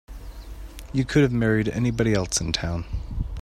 You could have married anybody else in town.